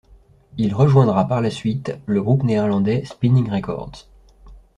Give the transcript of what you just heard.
Il rejoindra par la suite le groupe néerlandais Spinnin' Records.